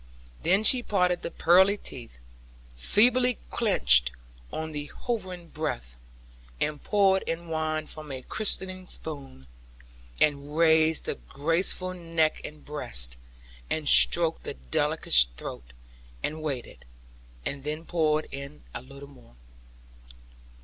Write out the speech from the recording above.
Then she parted the pearly teeth (feebly clenched on the hovering breath), and poured in wine from a christening spoon, and raised the graceful neck and breast, and stroked the delicate throat, and waited; and then poured in a little more.